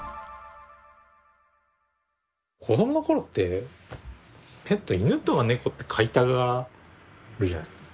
子供の頃ってペット犬とか猫って飼いたがるじゃないですか。